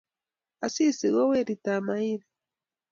Asisi ko weritab Mahiri